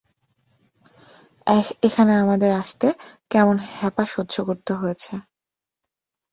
এখানে আমাদের আসতে কেমন হ্যাপা সহ্য করতে হয়েছে!